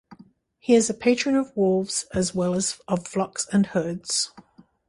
He is a patron of wolves as well as of flocks and herds.